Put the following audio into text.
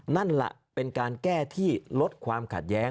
นั่นแหละเป็นการแก้ที่ลดความขัดแย้ง